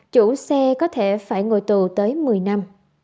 chủ xe có thể phải ngồi tù tới một mươi năm